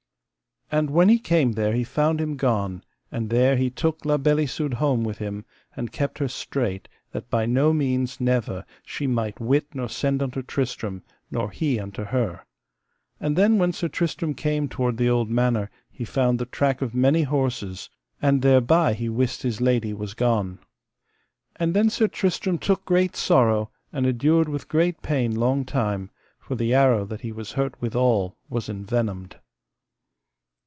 And when he came there he found him gone; and there he took La Beale Isoud home with him, and kept her strait that by no means never she might wit nor send unto Tristram, nor he unto her. And then when Sir Tristram came toward the old manor he found the track of many horses, and thereby he wist his lady was gone. And then Sir Tristram took great sorrow, and endured with great pain long time, for the arrow that he was hurt withal was envenomed.